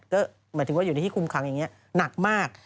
ก็หมายถึงว่าอยู่ในที่คุมขังอย่างนี้หนักมาก